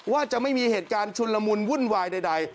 ว่าจะไม่มีเหตุการณ์ชุนละมุนวุ่นวายใด